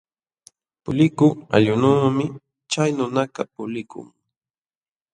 Pulikuq allqunuumi chay nunakaq pulikun.